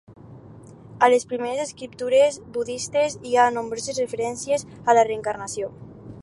A les primeres escriptures budistes hi ha nombroses referències a la reencarnació.